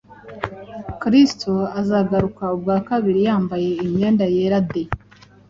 Kristo azagaruka ubwa kabiri yambaye imyenda yera de “